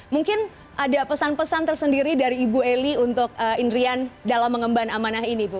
mungkin ada pesan pesan tersendiri dari ibu eli untuk indrian dalam mengemban amanah ini bu